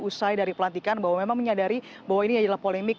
usai dari pelantikan bahwa memang menyadari bahwa ini adalah polemik